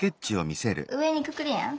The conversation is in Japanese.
上にくくるやん。